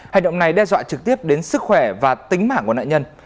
hành động này đe dọa trực tiếp đến sức khỏe và tính mạng của nạn nhân